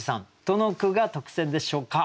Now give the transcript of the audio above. どの句が特選でしょうか？